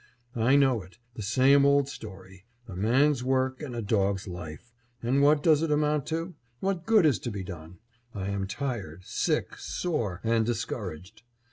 I know it; the same old story, a man's work and a dog's life, and what does it amount to? What good is to be done? I am tired, sick, sore, and discouraged.